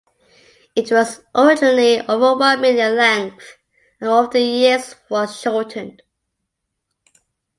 It was originally over one minute in length and over the years was shortened.